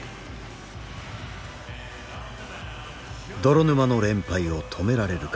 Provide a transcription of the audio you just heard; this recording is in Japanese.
泥沼の連敗を止められるか。